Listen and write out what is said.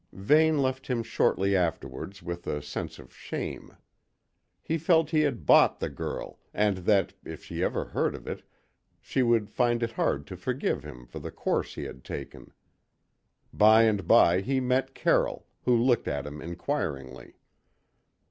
Vane left him shortly afterwards with a sense of shame. He felt he had bought the girl and that, if she ever heard of it, she would find it hard to forgive him for the course he had taken. By and by he met Carroll, who looked at him inquiringly.